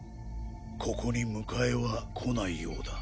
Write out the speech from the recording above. ここに迎えは来ないようだ。